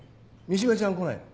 三島ちゃん来ないの？